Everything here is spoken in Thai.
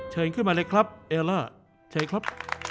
เชิญขึ้นมาเลยครับเอลล่าเชิญครับ